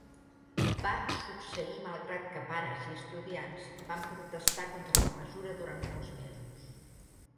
Va succeir malgrat que pares i estudiants van protestar contra la mesura durant molts mesos.